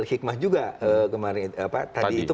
hikmah juga kemarin apa tadi itu